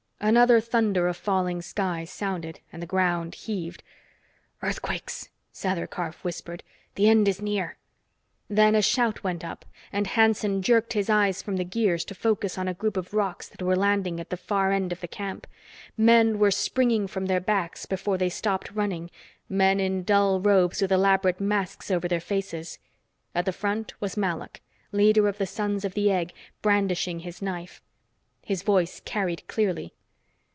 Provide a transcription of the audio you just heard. Another thunder of falling sky sounded, and the ground heaved. "Earthquakes!" Sather Karf whispered. "The end is near!" Then a shout went up, and Hanson jerked his eyes from the gears to focus on a group of rocs that were landing at the far end of the camp. Men were springing from their backs before they stopped running men in dull robes with elaborate masks over their faces. At the front was Malok, leader of the Sons of the Egg, brandishing his knife. His voice carried clearly.